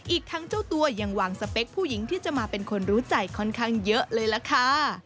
อีกทั้งเจ้าตัวยังวางสเปคผู้หญิงที่จะมาเป็นคนรู้ใจค่อนข้างเยอะเลยล่ะค่ะ